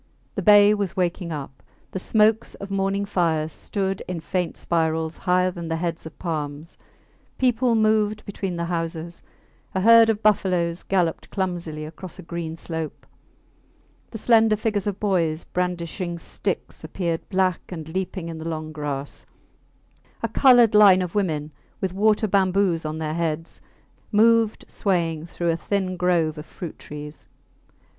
The bay was waking up. The smokes of morning fires stood in faint spirals higher than the heads of palms; people moved between the houses; a herd of buffaloes galloped clumsily across a green slope; the slender figures of boys brandishing sticks appeared black and leaping in the long grass; a coloured line of women, with water bamboos on their heads, moved swaying through a thin grove of fruit trees.